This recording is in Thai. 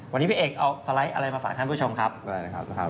วันนี้พี่เอกเอาสไลด์อะไรมาฝากท่านผู้ชมครับสวัสดีครับ